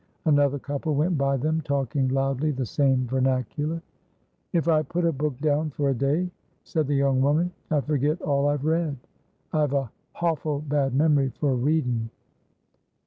Another couple went by them talking loudly the same vernacular. "If I put a book down for a day," said the young woman, "I forget all I've read. I've a hawful bad memory for readin'."